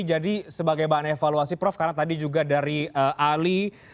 jadi sebagai bahan evaluasi prof karena tadi juga dari ali